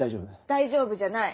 大丈夫じゃない。